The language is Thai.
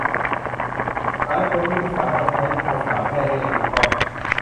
หลายคนที่ไม่สามารถใช้ภาษาแม่ได้อย่างถูกต้อง